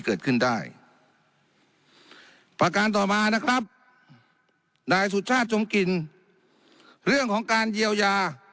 เกิดขึ้นได้ประการต่อมานะครับนายสุชาติจงกินเรื่องของการเยียวยา